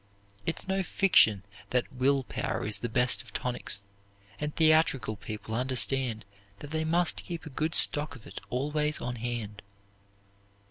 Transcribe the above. It's no fiction that will power is the best of tonics, and theatrical people understand that they must keep a good stock of it always on hand."